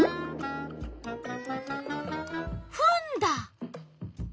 フンだ。